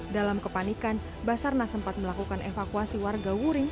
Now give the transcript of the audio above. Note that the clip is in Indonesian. dalam kepanikan basarna sempat melakukan evakuasi warga wuring